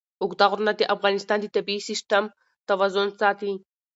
اوږده غرونه د افغانستان د طبعي سیسټم توازن ساتي.